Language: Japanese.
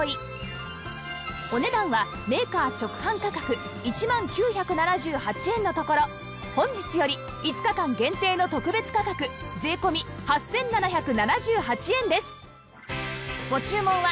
お値段はメーカー直販価格１万９７８円のところ本日より５日間限定の特別価格税込８７７８円です